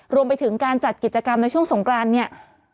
รวมไปถึงการจัดกิจกรรมในช่วงสงกรานเนี่ย